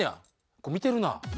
これ見てるな。